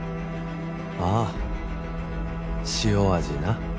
ああ塩味な。